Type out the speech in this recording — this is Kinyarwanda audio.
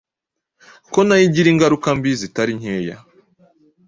kuko nayo igira ingaruka mbi zitari nkeya.